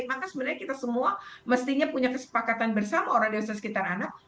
maka sebenarnya kita semua mestinya punya kesepakatan bersama orang dewasa sekitar anak